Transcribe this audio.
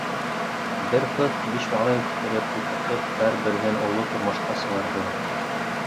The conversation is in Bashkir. Бер ҡыҙ, биш малай үҫтереп, уҡытып, һәр береһен оло тормошҡа сығарҙылар.